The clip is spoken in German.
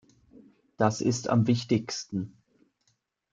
Das ist am wichtigsten.